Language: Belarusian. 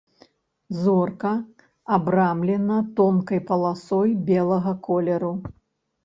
Зорка абрамлена тонкай паласой белага колеру.